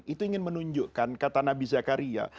itu ingin menunjukkan kata nabi zakaria